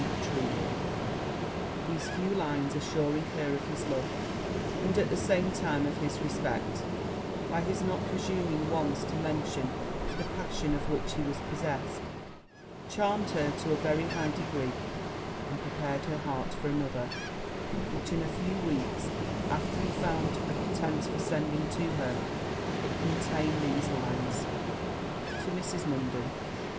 TRUEWORTH.' These few lines assuring her of his love, and at the same time of his respect, by his not presuming once to mention the passion of which he was possessed, charmed her to a very high degree, and prepared her heart for another, which, in a few weeks after, he found a pretence for sending to her. It contained these lines. 'To Mrs. Munden.